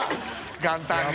元旦に。